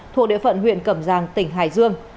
thuộc địa phận huyện cầm giang tỉnh hải dương